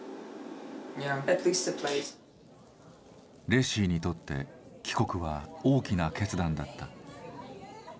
レシィにとって帰国は大きな決断だった。